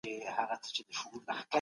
بهرنۍ تګلاره بې له وضاحت نه نه منل کيږي.